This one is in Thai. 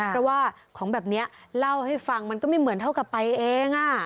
เพราะว่าของแบบนี้เล่าให้ฟังมันก็ไม่เหมือนเท่ากับไปเอง